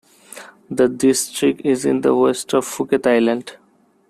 The district is in the west of Phuket Island.